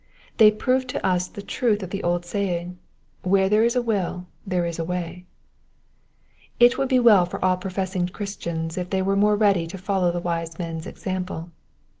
They prove to us the truth of the old saying, " Where there is a will there is a way/' It would be well for all professing Christians if they were more ready to follow the wise men's example.